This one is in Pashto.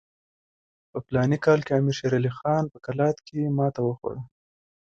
په فلاني کال کې امیر شېر علي خان په قلات کې ماته وخوړه.